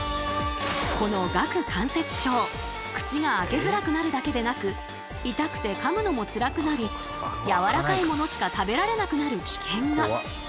この顎関節症口が開けづらくなるだけでなく痛くてかむのもツラくなりやわらかい物しか食べられなくなる危険が！